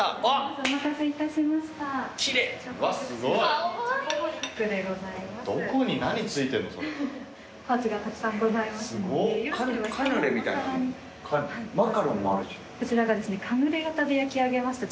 お待たせいたしました。